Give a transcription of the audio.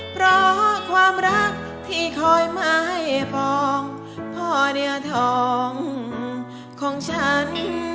เพราะความรักที่คอยมาให้ปองพ่อเดียทองของฉัน